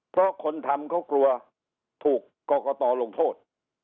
เพราะคนทำเขากลัวถูกกรกตลงโทษ